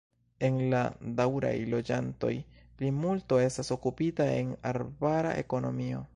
El la daŭraj loĝantoj plimulto estas okupita en arbara ekonomio.